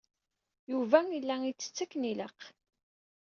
Yuba yella isett akken ilaq?